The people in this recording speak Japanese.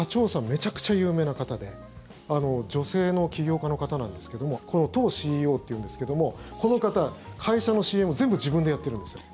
めちゃくちゃ有名な方で女性の起業家の方なんですけどもトウＣＥＯっていうんですけどもこの方、会社のＣＭ全部、自分でやってるんですよ。